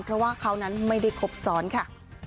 เพราะว่าเขานั้นไม่ได้ครบซ้อนค่ะ